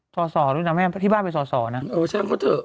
สอสวะด้วยนะที่บ้านเป็นสอสวะนะ